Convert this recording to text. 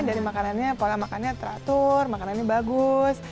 dari makanannya pola makannya teratur makanannya bagus